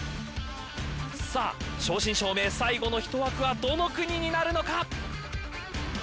正真正銘、最後の１枠はどの国になるのか。